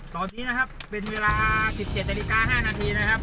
ตอนนี้นะครับเป็นเวลา๑๗นาฬิกา๕นาทีนะครับ